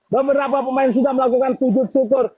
beberapa pemain sudah melakukan sujud syukur